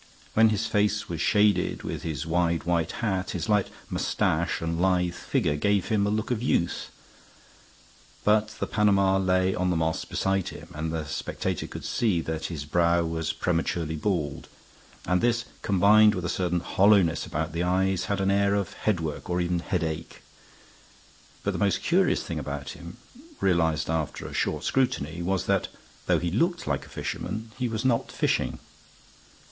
When his face was shaded with his wide white hat, his light mustache and lithe figure gave him a look of youth. But the Panama lay on the moss beside him; and the spectator could see that his brow was prematurely bald; and this, combined with a certain hollowness about the eyes, had an air of headwork and even headache. But the most curious thing about him, realized after a short scrutiny, was that, though he looked like a fisherman, he was not fishing.